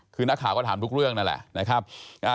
คือนักข่าวก็ถามทุกเรื่องนั่นแหละนะครับ